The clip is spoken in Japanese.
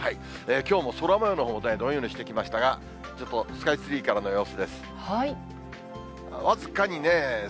きょうも空もようのほうね、どんよりしてきましたが、ちょっとスカイツリーからの様子です。